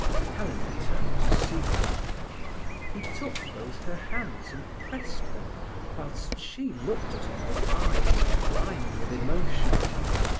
Helena turned to Siegmund. He took both her hands and pressed them, whilst she looked at him with eyes blind with emotion.